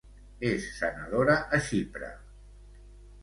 És senadora a Xipre.